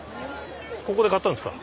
ここで買ったんですか？